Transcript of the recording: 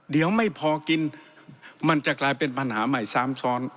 เดี๋ยวไม่พอกินมันจะกลายเป็นปัญหาใหม่ซ้ำซ้อน